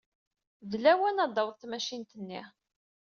D lawan ad d-taweḍ tmacint-nni.